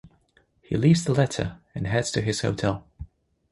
He leaves the letter and heads to his hotel.